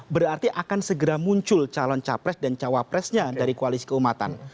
berarti akan segera muncul calon capres dan cawapresnya dari koalisi keumatan